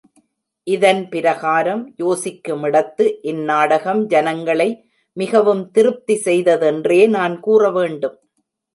இதன் பிரகாரம் யோசிக்குமிடத்து இந் நாடகம் ஜனங்களை மிகவும் திருப்தி செய்ததென்றே நான் கூற வேண்டும்.